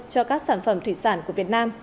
cho các sản phẩm thủy sản của việt nam